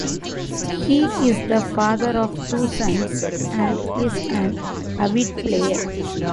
He is the father of two sons and is an avid player.